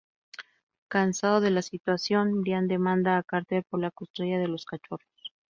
Cansado de la situación, Brian demanda a Carter por la custodia de los cachorros.